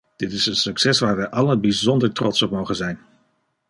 Dit is een succes waar wij allen bijzonder trots op mogen zijn.